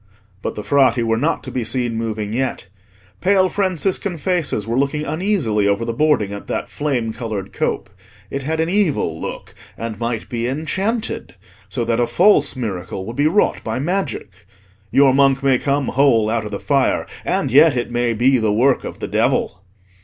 But the Frati were not to be seen moving yet. Pale Franciscan faces were looking uneasily over the boarding at that flame coloured cope. It had an evil look and might be enchanted, so that a false miracle would be wrought by magic. Your monk may come whole out of the fire, and yet it may be the work of the devil.